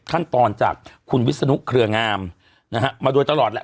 ขั้นตอนจากคุณวิศนุเครืองามนะฮะมาโดยตลอดแหละ